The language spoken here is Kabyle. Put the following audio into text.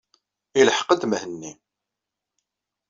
Ilḥeq-d Mhenni.